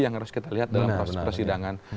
yang harus kita lihat dalam proses persidangan